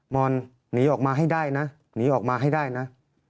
อนหนีออกมาให้ได้นะหนีออกมาให้ได้นะ